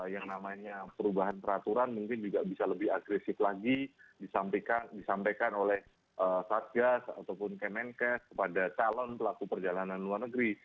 yang namanya perubahan peraturan mungkin juga bisa lebih agresif lagi disampaikan oleh satgas ataupun kemenkes kepada calon pelaku perjalanan luar negeri